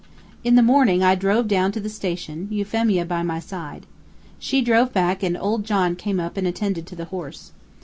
In the morning I drove down to the station, Euphemia by my side. She drove back and Old John came up and attended to the horse.